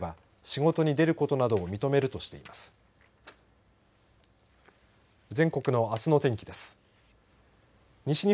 仕事に出ることなどを認めるとしています。